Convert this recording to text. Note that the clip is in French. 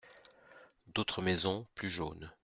D’autres maisons plus jaunes.